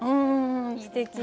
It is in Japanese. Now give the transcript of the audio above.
すてき。